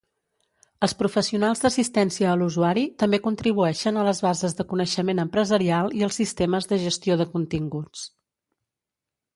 Els professionals d'assistència a l'usuari també contribueixen a les bases de coneixement empresarial i als sistemes de gestió de continguts.